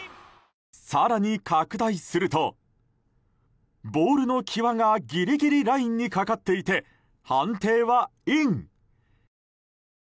更に拡大するとボールの際がギリギリラインにかかっていて判定はイン。